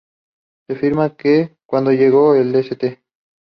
Se afirma que, cuando llegó a St.